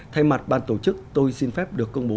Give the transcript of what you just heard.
thay mặt ban tổ chức tôi xin phép được công bố